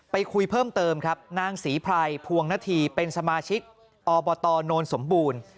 ไปคุยเพิ่มเติมครับนางศรีไพรพวงนาธีเป็นสมาชิกอบตโนนสมบูรณ์